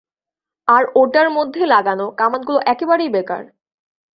আর ওটার মধ্যে লাগানো কামানগুলো একেবারেই বেকার।